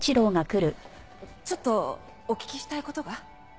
ちょっとお聞きしたい事が。